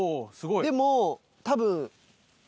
でも多分。